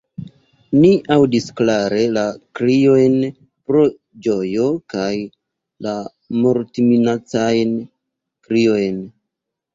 Ni aŭdis klare la kriojn pro ĝojo kaj la mortminacajn kriojn.